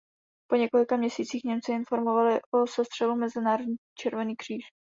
Po několika měsících Němci informovali o sestřelu Mezinárodní Červený kříž.